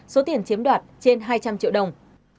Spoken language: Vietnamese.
số tiền chiếm đoạt trên hai trăm linh triệu đồng